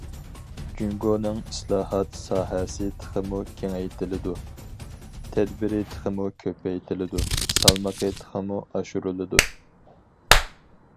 جۇڭگونىڭ ئىسلاھات ساھەسى تېخىمۇ كېڭەيتىلىدۇ، تەدبىرى تېخىمۇ كۆپەيتىلىدۇ، سالمىقى تېخىمۇ ئاشۇرۇلىدۇ.